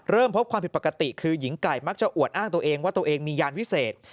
พบความผิดปกติคือหญิงไก่มักจะอวดอ้างตัวเองว่าตัวเองมียานวิเศษ